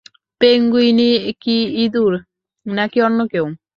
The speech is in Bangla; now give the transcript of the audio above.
পেঙ্গুইনই কি ইঁদুর, নাকি অন্য কেউ?